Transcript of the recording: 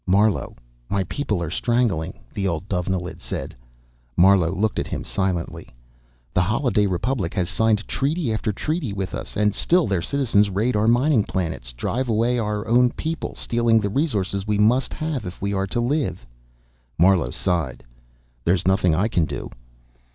"Marlowe, my people are strangling," the old Dovenilid said. Marlowe looked at him silently. "The Holliday Republic has signed treaty after treaty with us, and still their citizens raid our mining planets, driving away our own people, stealing the resources we must have if we are to live." Marlowe sighed. "There's nothing I can do."